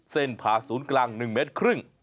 ผ่าศูนย์กลาง๑เมตรครึ่ง